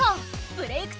「ブレイクッ！